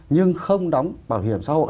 nhưng không đóng bảo hiểm xã hội